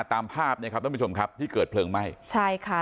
ตามภาพเนี่ยครับท่านผู้ชมครับที่เกิดเพลิงไหม้ใช่ค่ะ